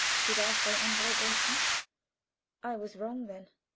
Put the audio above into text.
Did I say unvibrating? I was wrong then.